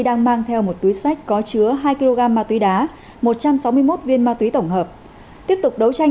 đang mang theo một túi sách có chứa hai kg ma túy đá một trăm sáu mươi một viên ma túy tổng hợp tiếp tục đấu tranh